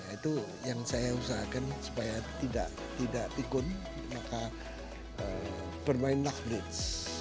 itu yang saya usahakan supaya tidak tikun maka bermain naf bridge